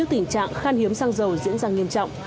tiến hành làm việc với sở công thương